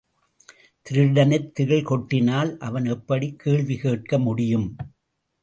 திருடனைத் தேள் கொட்டினால் அவன் எப்படிக் கேள்வி கேட்க முடியும்.